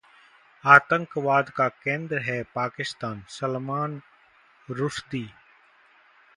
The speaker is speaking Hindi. आतंकवाद का केंद्र है पाकिस्तान: सलमान रुश्दी